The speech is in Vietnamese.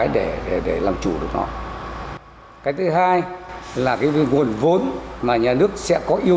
đào tạo thợ thuyền